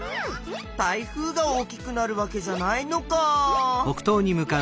台風が大きくなるわけじゃないのか。